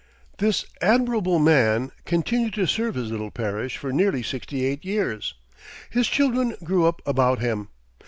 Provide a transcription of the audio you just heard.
This admirable man continued to serve his little parish for nearly sixty eight years. His children grew up about him.